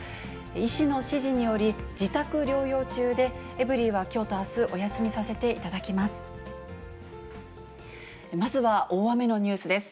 医師の指示により、自宅療養中で、エブリィはきょうとあす、お休みさせていただきます。